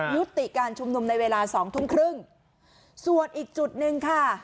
ยุติการชุมนุมในเวลาสองทุ่มครึ่งส่วนอีกจุดหนึ่งค่ะ